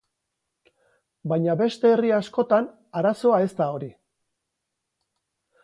Baina beste herri askotan arazoa ez da hori.